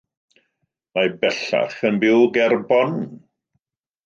Mae bellach yn byw ger Bonn.